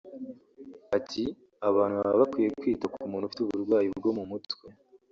Ati “Abantu baba bakwiye kwita ku muntu ufite uburwayi bwo mu mutwe